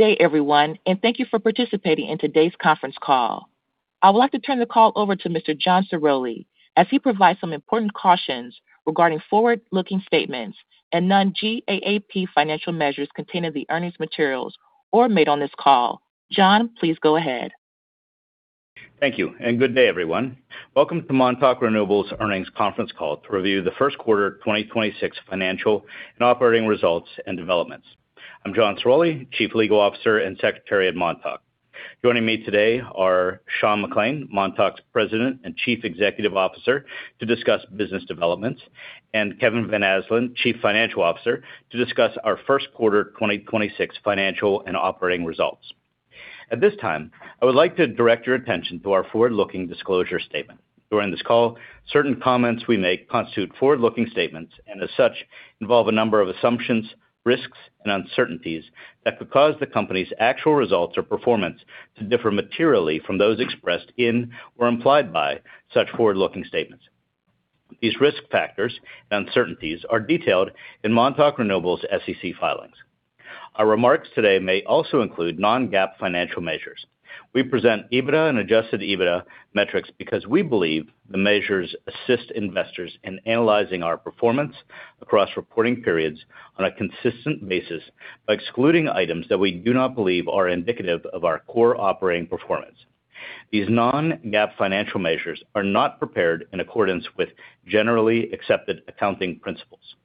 Good day, everyone. Thank you for participating in today's conference call. I would like to turn the call over to Mr. John Ciroli, as he provides some important cautions regarding forward-looking statements and non-GAAP financial measures contained in the earnings materials or made on this call. John, please go ahead. Thank you, good day, everyone. Welcome to Montauk Renewables Earnings Conference Call to review the Q1 2026 financial and operating results and developments. I'm John Ciroli, Chief Legal Officer and Secretary at Montauk. Joining me today are Sean McClain, Montauk's President and Chief Executive Officer, to discuss business developments, and Kevin Van Asdalan, Chief Financial Officer, to discuss our Q1 2026 financial and operating results. At this time, I would like to direct your attention to our forward-looking disclosure statement. During this call, certain comments we make constitute forward-looking statements and as such, involve a number of assumptions, risks, and uncertainties that could cause the company's actual results or performance to differ materially from those expressed in or implied by such forward-looking statements. These risk factors and uncertainties are detailed in Montauk Renewables' SEC filings. Our remarks today may also include non-GAAP financial measures. We present EBITDA and adjusted EBITDA metrics because we believe the measures assist investors in analyzing our performance across reporting periods on a consistent basis by excluding items that we do not believe are indicative of our core operating performance. These non-GAAP financial measures are not prepared in accordance with generally accepted accounting principles.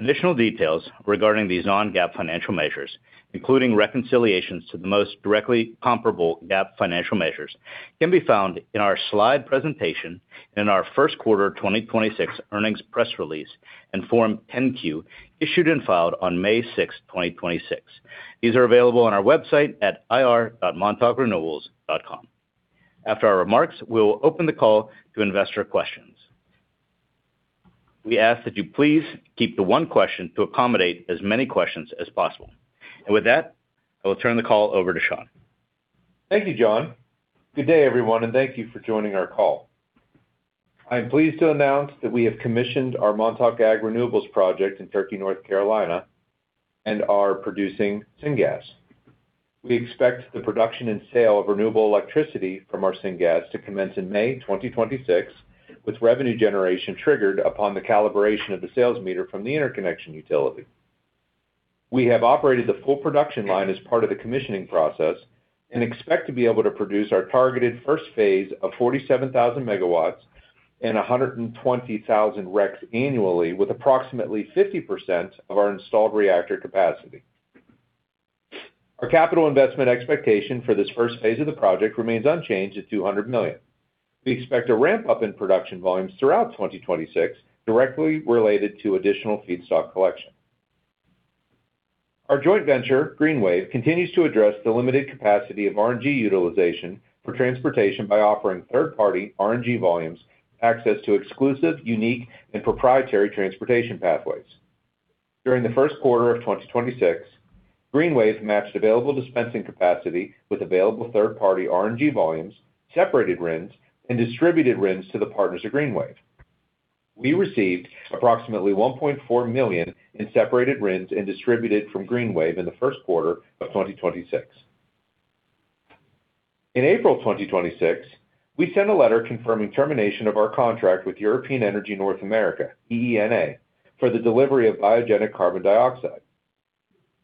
Additional details regarding these non-GAAP financial measures, including reconciliations to the most directly comparable GAAP financial measures, can be found in our slide presentation in our Q1 2026 earnings press release and Form 10-Q issued and filed on May 6, 2026. These are available on our website at ir.montaukrenewables.com. After our remarks, we will open the call to investor questions. We ask that you please keep to one question to accommodate as many questions as possible. With that, I will turn the call over to Sean. Thank you, John. Good day, everyone. Thank you for joining our call. I am pleased to announce that we have commissioned our Montauk Ag Renewables project in Turkey, North Carolina, and are producing syngas. We expect the production and sale of renewable electricity from our syngas to commence in May 2026, with revenue generation triggered upon the calibration of the sales meter from the interconnection utility. We have operated the full production line as part of the commissioning process and expect to be able to produce our targeted first phase of 47,000 megawatts and 120,000 RECs annually with approximately 50% of our installed reactor capacity. Our capital investment expectation for this first phase of the project remains unchanged at $200 million. We expect a ramp-up in production volumes throughout 2026, directly related to additional feedstock collection. Our joint venture, GreenWave, continues to address the limited capacity of RNG utilization for transportation by offering third-party RNG volumes access to exclusive, unique, and proprietary transportation pathways. During the Q1 of 2026, GreenWave matched available dispensing capacity with available third-party RNG volumes, separated RINs, and distributed RINs to the partners of GreenWave. We received approximately $1.4 million in separated RINs and distributed from GreenWave in the Q1 of 2026. In April 2026, we sent a letter confirming termination of our contract with European Energy North America, EENA, for the delivery of biogenic carbon dioxide.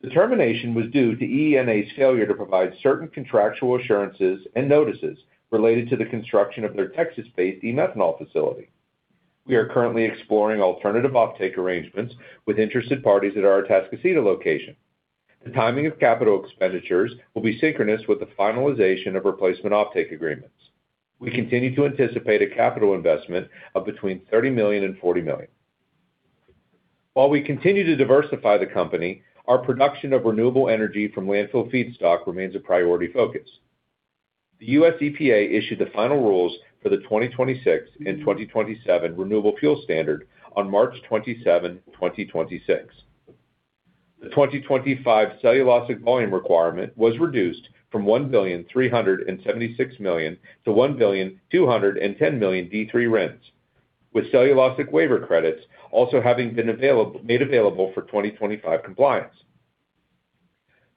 The termination was due to EENA's failure to provide certain contractual assurances and notices related to the construction of their Texas-based eMethanol facility. We are currently exploring alternative offtake arrangements with interested parties at our Atascocita location. The timing of capital expenditures will be synchronous with the finalization of replacement offtake agreements. We continue to anticipate a capital investment of between $30 million and $40 million. While we continue to diversify the company, our production of renewable energy from landfill feedstock remains a priority focus. The U.S. EPA issued the final rules for the 2026 and 2027 Renewable Fuel Standard on March 27, 2026. The 2025 cellulosic volume requirement was reduced from 1,376 million to 1,210 million D3 RINs, with cellulosic waiver credits also having been made available for 2025 compliance.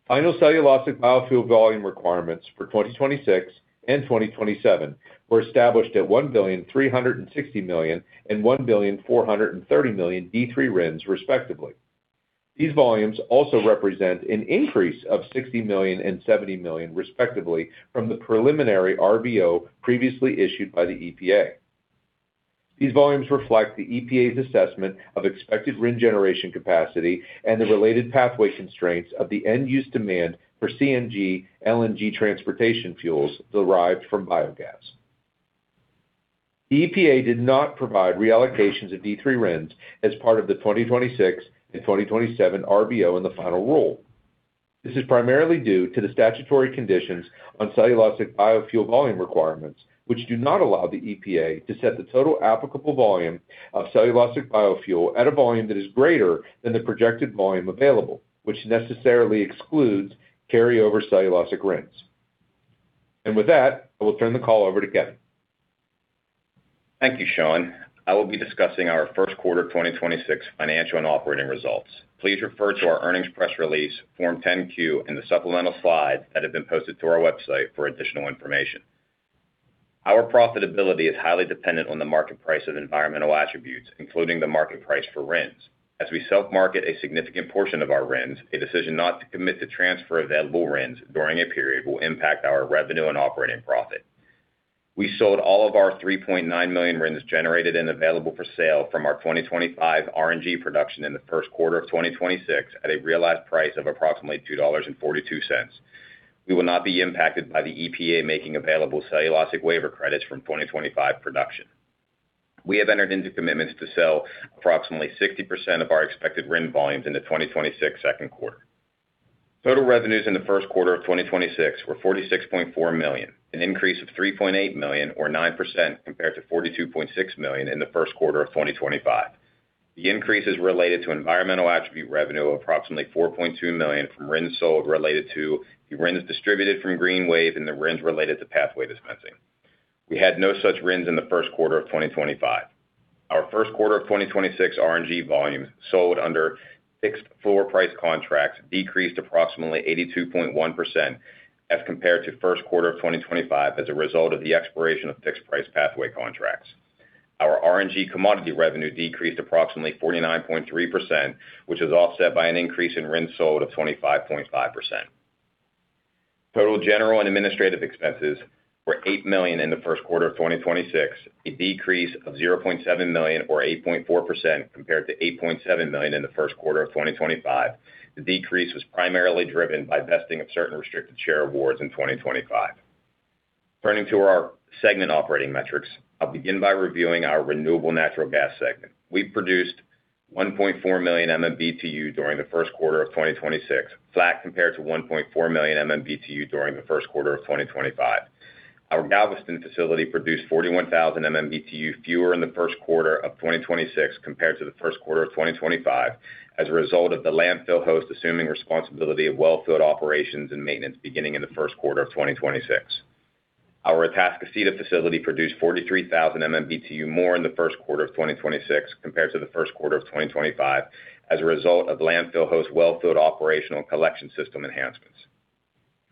Final cellulosic biofuel volume requirements for 2026 and 2027 were established at 1,360 million and 1,430 million D3 RINs respectively. These volumes also represent an increase of 60 million and 70 million respectively from the preliminary RVO previously issued by the EPA. These volumes reflect the EPA's assessment of expected RIN generation capacity and the related pathway constraints of the end-use demand for CNG, LNG transportation fuels derived from biogas. The EPA did not provide reallocations of D3 RINs as part of the 2026 and 2027 RVO in the final rule. This is primarily due to the statutory conditions on cellulosic biofuel volume requirements, which do not allow the EPA to set the total applicable volume of cellulosic biofuel at a volume that is greater than the projected volume available, which necessarily excludes carryover cellulosic RINs. With that, I will turn the call over to Kevin. Thank you, Sean. I will be discussing our Q1 2026 financial and operating results. Please refer to our earnings press release, Form 10-Q, and the supplemental slides that have been posted to our website for additional information. Our profitability is highly dependent on the market price of environmental attributes, including the market price for RINs. As we self-market a significant portion of our RINs, a decision not to commit to transfer available RINs during a period will impact our revenue and operating profit. We sold all of our 3.9 million RINs generated and available for sale from our 2025 RNG production in the Q1 of 2026 at a realized price of approximately $2.42. We will not be impacted by the EPA making available cellulosic waiver credits from 2025 production. We have entered into commitments to sell approximately 60% of our expected RIN volumes in the 2026 second quarter. Total revenues in the Q1 of 2026 were $46.4 million, an increase of $3.8 million or 9% compared to $42.6 million in the Q1 of 2025. The increase is related to environmental attribute revenue of approximately $4.2 million from RINs sold related to the RINs distributed from GreenWave and the RINs related to pathway dispensing. We had no such RINs in the Q1 of 2025. Our first quarter of 2026 RNG volumes sold under fixed floor price contracts decreased approximately 82.1% as compared to Q1 of 2025 as a result of the expiration of fixed price pathway contracts. Our RNG commodity revenue decreased approximately 49.3%, which is offset by an increase in RINs sold of 25.5%. Total general and administrative expenses were $8 million in the Q1 of 2026, a decrease of $0.7 million or 8.4% compared to $8.7 million in the Q1 of 2025. The decrease was primarily driven by vesting of certain restricted share awards in 2025. Turning to our segment operating metrics. I'll begin by reviewing our renewable natural gas segment. We produced 1.4 million MMBtu during the Q1 of 2026, flat compared to 1.4 million MMBtu during Q1 of 2025. Our Galveston facility produced 41,000 MMBtu fewer in Q1 of 2026 compared to Q1 of 2025 as a result of the landfill host assuming responsibility of wellfield operations and maintenance beginning in Q1 of 2026. Our Atascocita facility produced 43,000 MMBtu more in Q1 of 2026 compared to the Q1 of 2025 as a result of landfill host wellfield operational and collection system enhancements.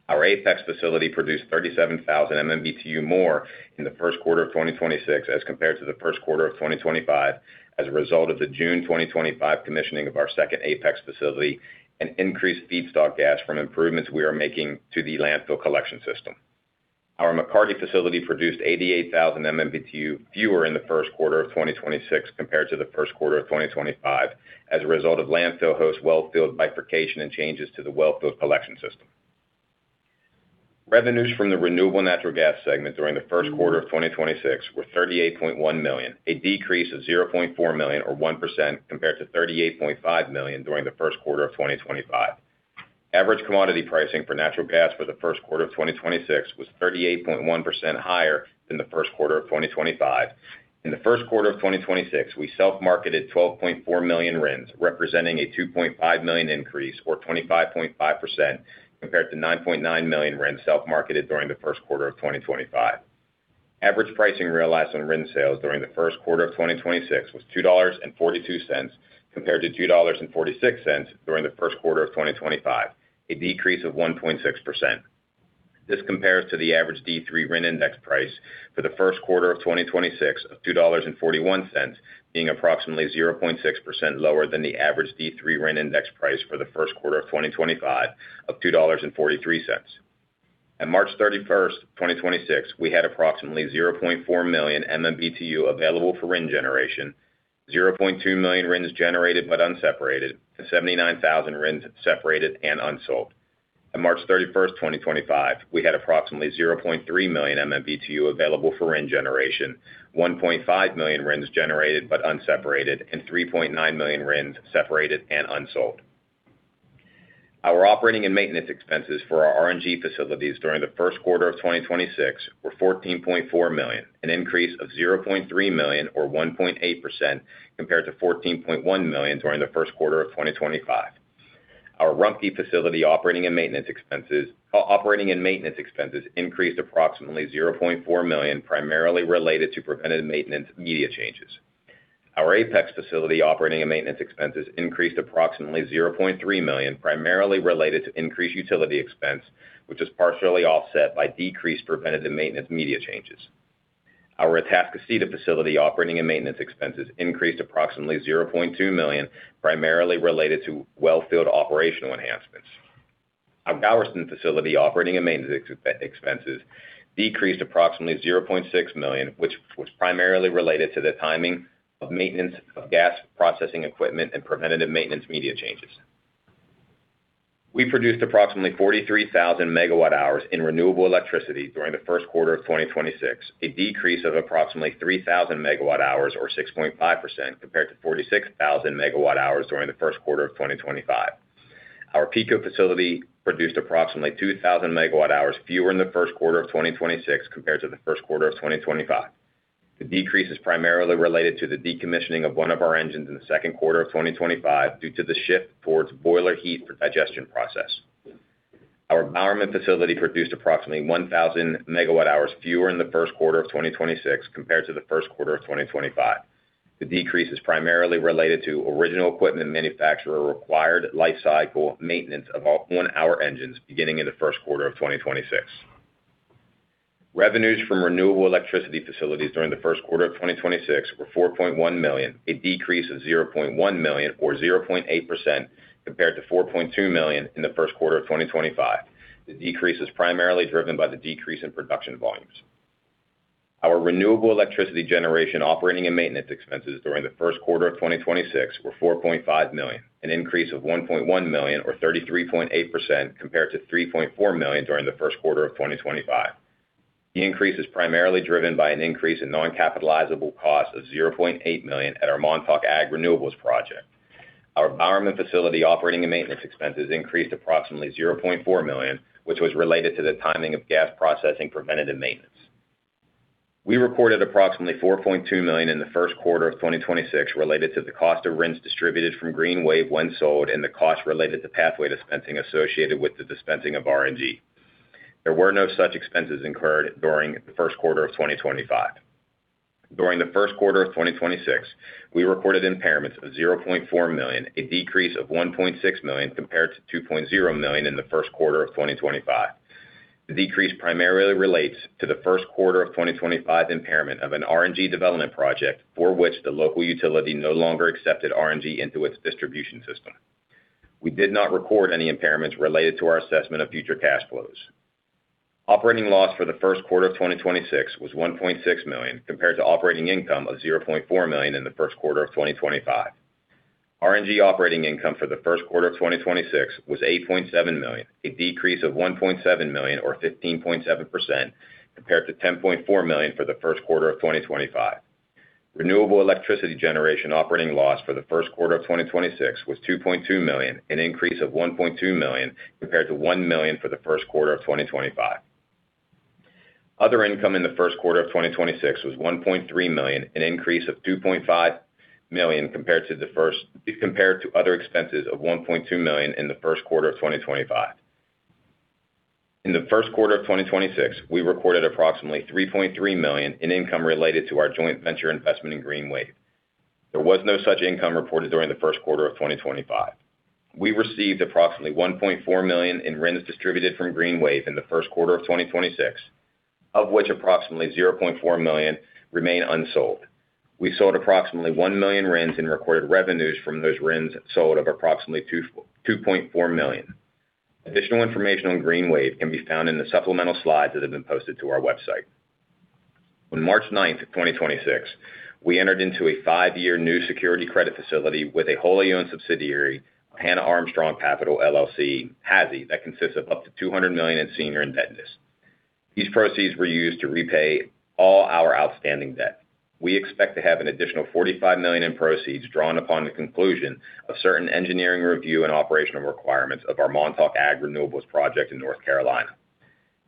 Our Apex facility produced 37,000 MMBtu more in Q1 of 2026 as compared to Q1 of 2025 as a result of the June 2025 commissioning of our second Apex facility and increased feedstock gas from improvements we are making to the landfill collection system. Our McCarty facility produced 88,000 MMBtu fewer in Q1 of 2026 compared to Q1 of 2025 as a result of landfill host wellfield bifurcation and changes to the wellfield collection system. Revenues from the renewable natural gas segment during Q1 of 2026 were $38.1 million, a decrease of $0.4 million or 1% compared to $38.5 million during Q1 of 2025. Average commodity pricing for natural gas for Q1 of 2026 was 38.1% higher than Q1 of 2025. In Q1 of 2026, we self-marketed 12.4 million RINs, representing a 2.5 million increase or 25.5% compared to 9.9 million RINs self-marketed during Q1 of 2025. Average pricing realized on RIN sales during the Q1 of 2026 was $2.42 compared to $2.46 during the Q1 of 2025, a decrease of 1.6%. This compares to the average D3 RIN index price for the Q1 of 2026 of $2.41, being approximately 0.6% lower than the average D3 RIN index price for the Q1 of 2025 of $2.43. On March 31, 2026, we had approximately 0.4 million MMBtu available for RIN generation, 0.2 million RINs generated but unseparated, and 79,000 RINs separated and unsold. On March 31, 2025, we had approximately 0.3 million MMBtu available for RIN generation, 1.5 million RINs generated but unseparated, and 3.9 million RINs separated and unsold. Our operating and maintenance expenses for our RNG facilities during the Q1 of 2026 were $14.4 million, an increase of $0.3 million or 1.8% compared to $14.1 million during Q1 of 2025. Our Rumpke facility operating and maintenance expenses increased approximately $0.4 million primarily related to preventative maintenance media changes. Our Apex facility operating and maintenance expenses increased approximately $0.3 million primarily related to increased utility expense, which was partially offset by decreased preventative maintenance media changes. Our Atascocita facility operating and maintenance expenses increased approximately $0.2 million primarily related to wellfield operational enhancements. Our Galveston facility operating and maintenance expenses decreased approximately $0.6 million which was primarily related to the timing of maintenance of gas processing equipment and preventative maintenance media changes. We produced approximately 43,000 megawatt hours in renewable electricity during Q1 of 2026, a decrease of approximately 3,000 megawatt hours or 6.5% compared to 46,000 megawatt hours during Q1 of 2025. Our Pico facility produced approximately 2,000 megawatt hours fewer in Q1 of 2026 compared to Q1 of 2025. The decrease is primarily related to the decommissioning of one of our engines in Q2 of 2025 due to the shift towards boiler heat for digestion process. Our Bowerman facility produced approximately 1,000 MWh fewer in Q1 of 2026 compared to Q1 of 2025. The decrease is primarily related to original equipment manufacturer required lifecycle maintenance of all Jenbacher engines beginning in Q1 of 2026. Revenues from renewable electricity facilities during Q1 of 2026 were $4.1 million, a decrease of $0.1 million or 0.8% compared to $4.2 million in Q1 of 2025. The decrease is primarily driven by the decrease in production volumes. Our renewable electricity generation operating and maintenance expenses during Q1 of 2026 were $4.5 million, an increase of $1.1 million or 33.8% compared to $3.4 million during Q1 of 2025. The increase is primarily driven by an increase in non-capitalizable cost of $0.8 million at our Montauk Ag Renewables project. Our Bowerman facility operating and maintenance expenses increased approximately $0.4 million, which was related to the timing of gas processing preventative maintenance. We recorded approximately $4.2 million in Q1 of 2026 related to the cost of RINs distributed from GreenWave when sold and the cost related to pathway dispensing associated with the dispensing of RNG. There were no such expenses incurred during Q1 of 2025. During the Q1 of 2026, we recorded impairments of $0.4 million, a decrease of $1.6 million compared to $2.0 million in the Q1 of 2025. The decrease primarily relates to the first quarter of 2025 impairment of an RNG development project for which the local utility no longer accepted RNG into its distribution system. We did not record any impairments related to our assessment of future cash flows. Operating loss for the Q1 of 2026 was $1.6 million compared to operating income of $0.4 million in the Q1 of 2025. RNG operating income for the Q1 of 2026 was $8.7 million, a decrease of $1.7 million or 15.7% compared to $10.4 million for the Q1 of 2025. Renewable electricity generation operating loss for the Q1 of 2026 was $2.2 million, an increase of $1.2 million compared to $1 million for the Q1 of 2025. Other income in Q1 of 2026 was $1.3 million, an increase of $2.5 million compared to other expenses of $1.2 million in Q1 of 2025. In Q1 of 2026, we recorded approximately $3.3 million in income related to our joint venture investment in GreenWave. There was no such income reported during Q1 of 2025. We received approximately $1.4 million in RINs distributed from Green Wave in Q1 of 2026, of which approximately $0.4 million remain unsold. We sold approximately 1 million RINs and recorded revenues from those RINs sold of approximately $2.4 million. Additional information on Green Wave can be found in the supplemental slides that have been posted to our website. On March 9, 2026, we entered into a 5-year new security credit facility with a wholly owned subsidiary, Hannon Armstrong Capital LLC, HASI, that consists of up to $200 million in senior indebtedness. These proceeds were used to repay all our outstanding debt. We expect to have an additional $45 million in proceeds drawn upon the conclusion of certain engineering review and operational requirements of our Montauk Ag Renewables project in North Carolina.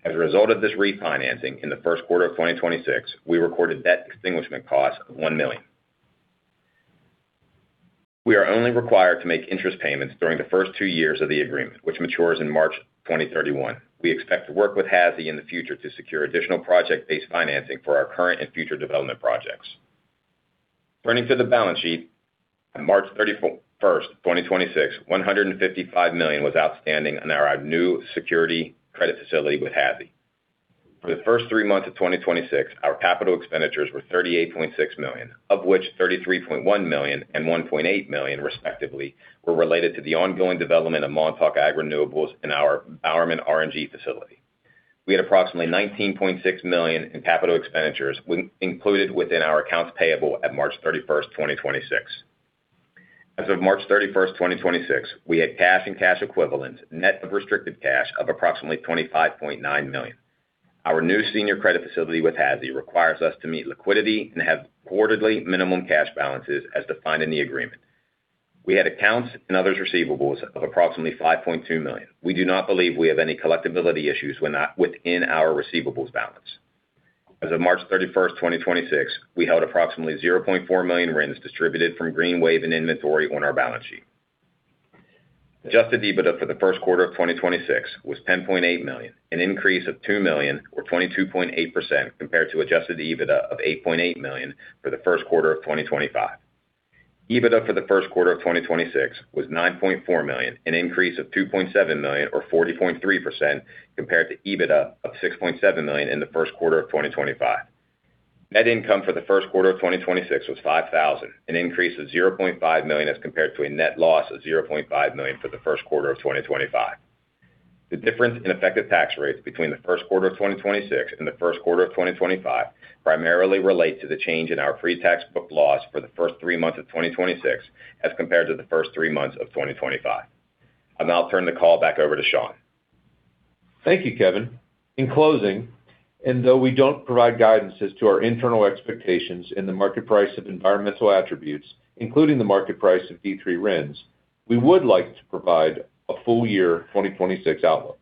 As a result of this refinancing, in Q1 of 2026, we recorded debt extinguishment costs of $1 million. We are only required to make interest payments during the first two years of the agreement, which matures in March 2031. We expect to work with HASI in the future to secure additional project-based financing for our current and future development projects. Turning to the balance sheet, on March 31st, 2026, $155 million was outstanding on our new security credit facility with HASI. For the first 3 months of 2026, our capital expenditures were $38.6 million, of which $33.1 million and $1.8 million respectively were related to the ongoing development of Montauk Ag Renewables and our Bowerman RNG facility. We had approximately $19.6 million in capital expenditures included within our accounts payable at March 31st, 2026. As of March 31, 2026, we had cash and cash equivalents, net of restricted cash, of approximately $25.9 million. Our new senior credit facility with HASI requires us to meet liquidity and have quarterly minimum cash balances as defined in the agreement. We had accounts and others receivables of approximately $5.2 million. We do not believe we have any collectibility issues within our receivables balance. As of March 31, 2026, we held approximately 0.4 million RINs distributed from GreenWave in inventory on our balance sheet. Adjusted EBITDA for the Q1 of 2026 was $10.8 million, an increase of $2 million or 22.8% compared to adjusted EBITDA of $8.8 million for the Q1 of 2025. EBITDA for the Q1 of 2026 was $9.4 million, an increase of $2.7 million or 40.3% compared to EBITDA of $6.7 million in the Q1 of 2025. Net income for the Q1 of 2026 was $5,000, an increase of $0.5 million as compared to a net loss of $0.5 million for the Q1 of 2025. The difference in effective tax rates between the Q1 of 2026 and the Q1 of 2025 primarily relate to the change in our pre-tax book loss for the first three months of 2026 as compared to the first three months of 2025. I'll now turn the call back over to Sean. Thank you, Kevin. In closing, though we don't provide guidance as to our internal expectations in the market price of environmental attributes, including the market price of D3 RINs, we would like to provide a full year 2026 outlook.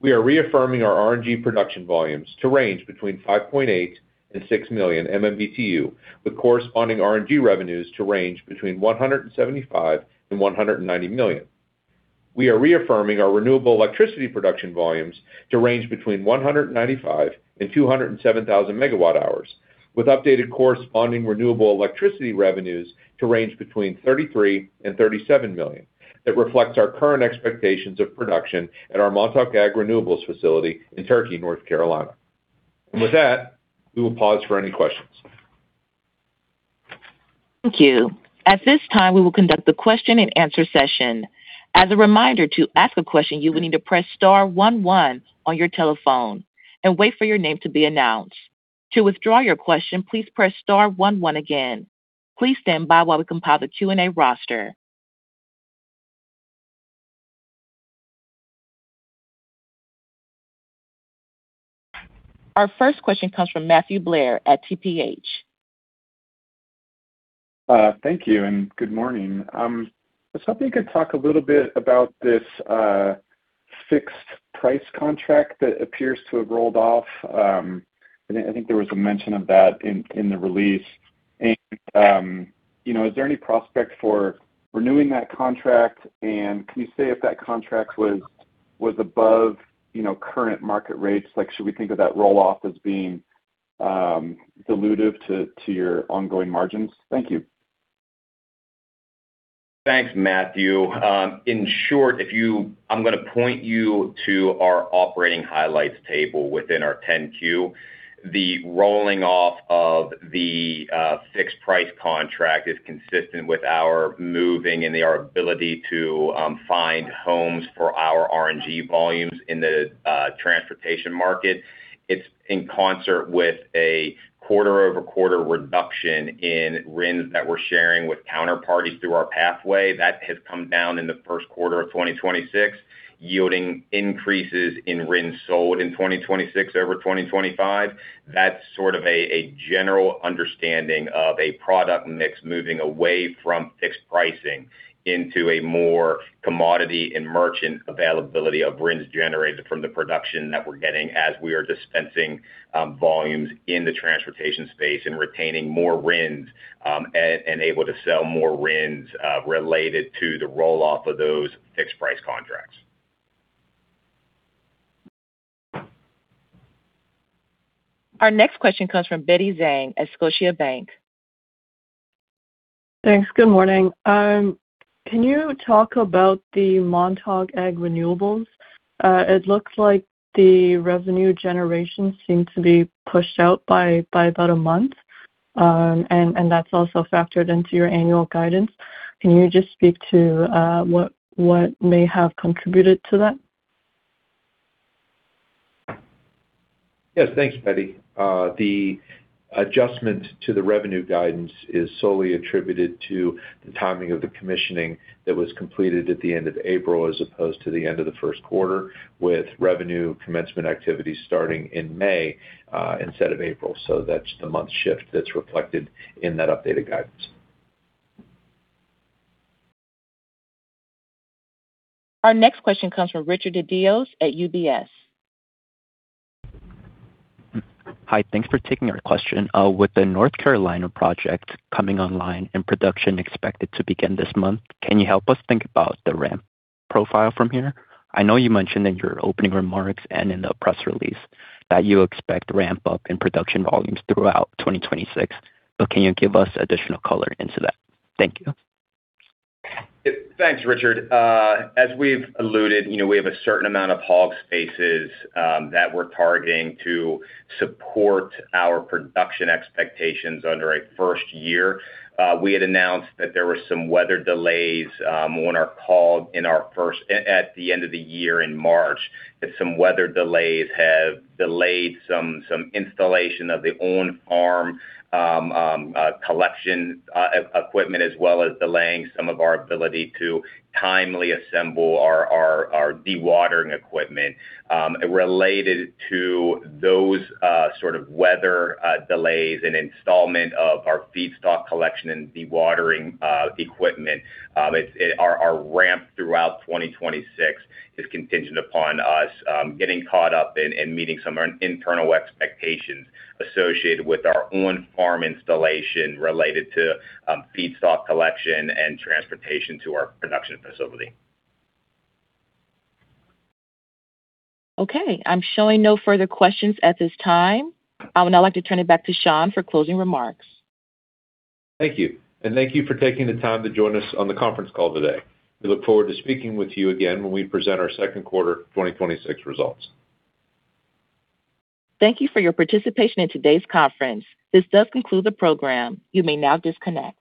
We are reaffirming our RNG production volumes to range between 5.8 and 6 million MMBtu, with corresponding RNG revenues to range between $175 million and $190 million. We are reaffirming our renewable electricity production volumes to range between 195 and 207 thousand megawatt hours, with updated corresponding renewable electricity revenues to range between $33 million and $37 million. That reflects our current expectations of production at our Montauk Ag Renewables facility in Turkey, North Carolina. With that, we will pause for any questions. Thank you. At this time, we will conduct the question and answer session. As a reminder, to ask a question, you will need to press star one one on your telephone and wait for your name to be announced. To withdraw your question, please press star one one again. Please stand by while we compile the Q&A roster. Our first question comes from Matthew Blair at TPH&Co.. Thank you and good morning. I was hoping you could talk a little bit about this fixed price contract that appears to have rolled off. I think there was a mention of that in the release. You know, is there any prospect for renewing that contract? Can you say if that contract was above, you know, current market rates? Like, should we think of that roll-off as being dilutive to your ongoing margins? Thank you. Thanks, Matthew. In short, I'm gonna point you to our operating highlights table within our 10-Q. The rolling off of the fixed price contract is consistent with our moving and our ability to find homes for our RNG volumes in the transportation market. It's in concert with a quarter-over-quarter reduction in RINs that we're sharing with counterparties through our pathway. That has come down in the Q1 of 2026, yielding increases in RINs sold in 2026 over 2025. That's sort of a general understanding of a product mix moving away from fixed pricing into a more commodity and merchant availability of RINs generated from the production that we're getting as we are dispensing volumes in the transportation space and retaining more RINs, and able to sell more RINs, related to the roll-off of those fixed price contracts. Our next question comes from Betty Zhang at Scotiabank. Thanks. Good morning. Can you talk about the Montauk Ag Renewables? It looks like the revenue generation seemed to be pushed out by about a month, that's also factored into your annual guidance. Can you just speak to what may have contributed to that? Yes, thanks, Betty. The adjustment to the revenue guidance is solely attributed to the timing of the commissioning that was completed at the end of April as opposed to the end of the first quarter, with revenue commencement activity starting in May, instead of April. That's the month shift that's reflected in that updated guidance. Our next question comes from Richard DeDios at UBS. Hi. Thanks for taking our question. With the North Carolina Project coming online and production expected to begin this month, can you help us think about the ramp profile from here? I know you mentioned in your opening remarks and in the press release that you expect ramp-up in production volumes throughout 2026, but can you give us additional color into that? Thank you. Thanks, Richard. As we've alluded, you know, we have a certain amount of hog spaces that we're targeting to support our production expectations under a 1st year. We had announced that there were some weather delays on our call at the end of the year in March, that some weather delays have delayed some installation of the on-farm collection equipment, as well as delaying some of our ability to timely assemble our dewatering equipment. Related to those sort of weather delays and installment of our feedstock collection and dewatering equipment, our ramp throughout 2026 is contingent upon us getting caught up and meeting some internal expectations associated with our on-farm installation related to feedstock collection and transportation to our production facility. Okay. I'm showing no further questions at this time. I would now like to turn it back to Sean for closing remarks. Thank you. Thank you for taking the time to join us on the conference call today. We look forward to speaking with you again when we present our Q2 2026 results. Thank you for your participation in today's conference. This does conclude the program. You may now disconnect.